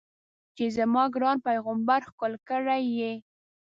چې زما ګران پیغمبر ښکل کړی یې.